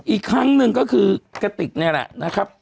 อีกครั้งหนึ่งก็คือกระติกนี่แหละนะครับ